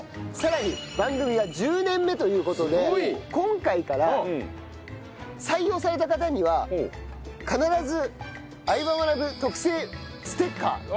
さらに番組が１０年目という事で今回から採用された方には必ず『相葉マナブ』特製ステッカー